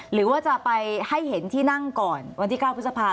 หรือว่าจะไปให้เห็นที่นั่งก่อนวันที่๙พฤษภา